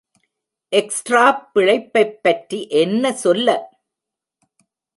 எக்ஸ்ட்ராப் பிழைப்பைப் பற்றி என்ன சொல்ல?